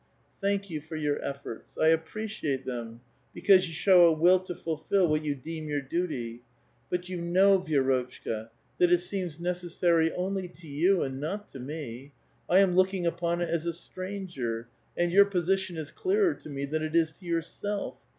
Thank you for your efforts ; I appreciate them, because show a will to fulfil what you deem your duty. But know^ ^^i^rotchka, that it seems necessary only to j'ou, and not tc Die. I am looking upon it as a stranger ; and your position is clearer to me than it is to yourself.